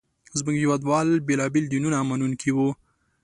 زموږ هېواد وال بېلابېل دینونه منونکي وو.